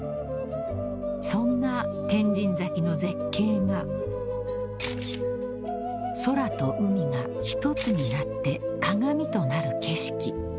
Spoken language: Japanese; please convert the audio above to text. ［そんな天神崎の絶景が空と海が一つになって鏡となる景色］